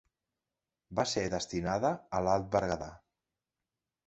Va ser destinada a l'Alt Berguedà.